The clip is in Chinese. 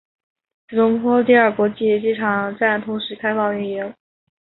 吉隆坡第二国际机场站同时开放运营。